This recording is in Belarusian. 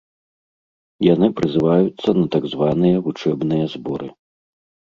Яны прызываюцца на так званыя вучэбныя зборы.